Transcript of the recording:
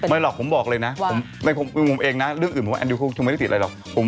หรอกผมบอกเลยนะในมุมเองนะเรื่องอื่นผมว่าแอนดิวเขาคงไม่ได้ติดอะไรหรอก